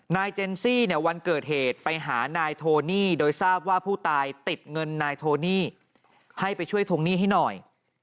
เจนซี่เนี่ยวันเกิดเหตุไปหานายโทนี่โดยทราบว่าผู้ตายติดเงินนายโทนี่ให้ไปช่วยทวงหนี้ให้หน่อย